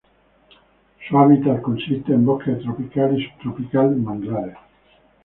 Su hábitat consiste de bosque tropical y subtropical y manglares.